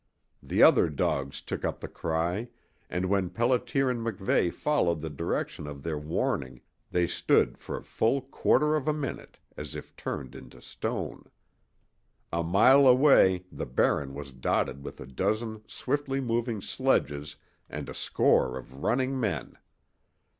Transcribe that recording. The other dogs took up the cry, and when Pelliter and MacVeigh followed the direction of their warning they stood for a full quarter of a minute as if turned into stone. A mile away the Barren was dotted with a dozen swiftly moving sledges and a score of running men!